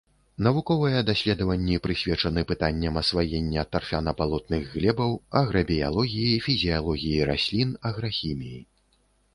Навуковыя даследаванні прысвечаны пытанням асваення тарфяна-балотных глебаў, аграбіялогіі, фізіялогіі раслін, аграхіміі.